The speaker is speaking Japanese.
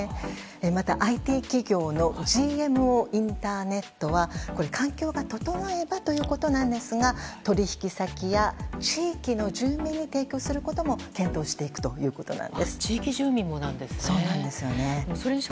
また、ＩＴ企業のＧＭＯインターネットは環境が整えばということですが取引先や地域の住民に提供することも検討していくということなんです。